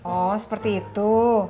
oh seperti itu